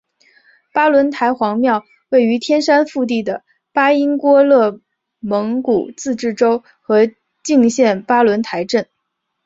巴仑台黄庙位于天山腹地的巴音郭楞蒙古自治州和静县巴仑台镇。